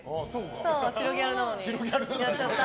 そう、白ギャルなのにやっちゃった。